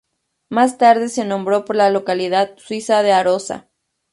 Más tarde se nombró por la localidad suiza de Arosa.